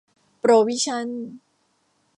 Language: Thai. โปรวิชั่น